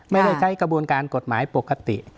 ไม่ได้ใช้กระบวนการกฎหมายปกติ